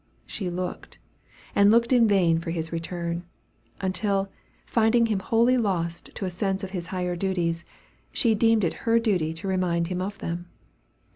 She looked, and looked in vain for his return; until, finding him wholly lost to a sense of his higher duties, she deemed it her duty to remind him of them.